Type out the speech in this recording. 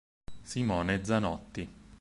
Simone Zanotti